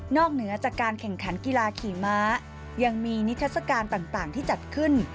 เหนือจากการแข่งขันกีฬาขี่ม้ายังมีนิทัศกาลต่างที่จัดขึ้น